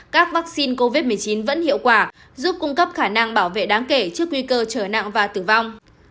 các vaccine covid một mươi chín vẫn hiệu quả giúp cung cấp khả năng bảo vệ đáng kể trước nguy cơ trở nặng và tử vong